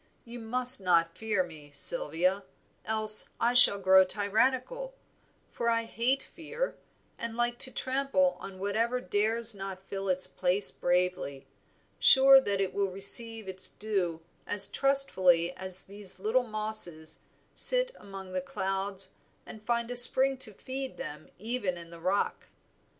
You must not fear me, Sylvia, else I shall grow tyrannical; for I hate fear, and like to trample on whatever dares not fill its place bravely, sure that it will receive its due as trustfully as these little mosses sit among the clouds and find a spring to feed them even in the rock.